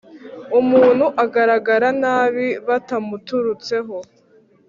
umuntu agaragara nabi batamuturutseho